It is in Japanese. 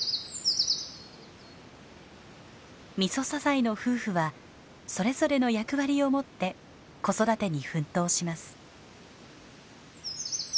ミソサザイの夫婦はそれぞれの役割を持って子育てに奮闘します。